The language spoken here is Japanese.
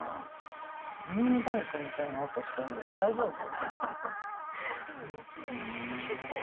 ミニバイクみたいな音してんで、大丈夫？